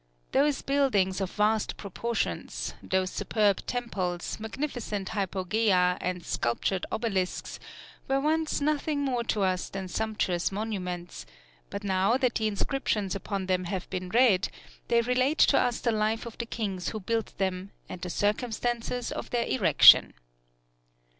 Those buildings of vast proportions, those superb temples, magnificent hypogæa, and sculptured obelisks, were once nothing more to us than sumptuous monuments, but now that the inscriptions upon them have been read, they relate to us the life of the kings who built them, and the circumstances of their erection.